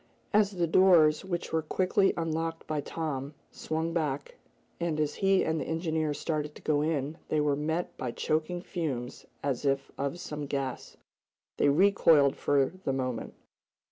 As the doors, which were quickly unlocked by Tom, swung back, and as he and the engineer started to go in, they were met by choking fumes as if of some gas. They recoiled for the moment.